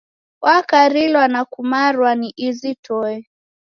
Wakarilwa na kumarwa ni izi toe.